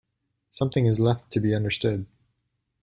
Something is left to be understood.